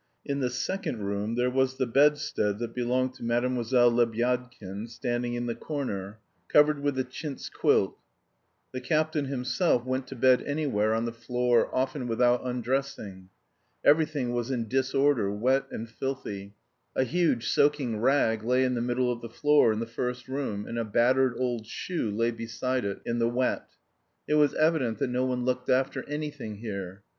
In the second room there was the bedstead that belonged to Mlle. Lebyadkin standing in the corner, covered with a chintz quilt; the captain himself went to bed anywhere on the floor, often without undressing. Everything was in disorder, wet and filthy; a huge soaking rag lay in the middle of the floor in the first room, and a battered old shoe lay beside it in the wet. It was evident that no one looked after anything here.